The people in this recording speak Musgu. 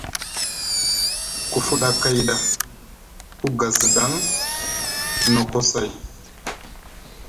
Ku fuɗa kay ɗa, ku gazɗaŋ, nokocay,